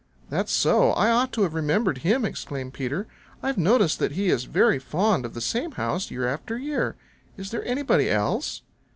"That's so; I ought to have remembered him," exclaimed Peter. "I've noticed that he is very fond of the same house year after year. Is there anybody else?"